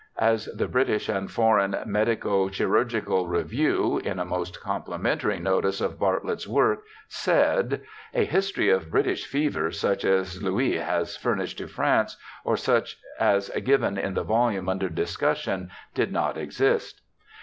As the British and Foreign Medico Chirurgical Review^ in a most complimentary notice of Bartlett's work, said, * A history of British fevers such as Louis has furnished to France, or such as given in the volume under discussion, did not exist.'